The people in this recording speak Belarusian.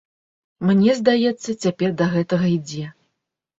Мне здаецца, цяпер да гэтага ідзе.